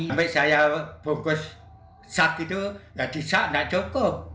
sampai saya bungkus sak itu gak disak gak cukup